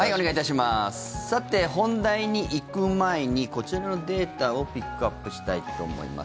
さて本題に行く前にこちらのデータをピックアップしたいと思います。